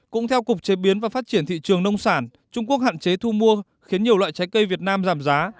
cũng theo cục chế biến và phát triển thị trường nông sản trung quốc hạn chế thu mua khiến nhiều loại trái cây việt nam giảm giá